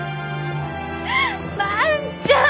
万ちゃん！